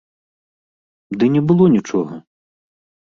Ды не было нічога!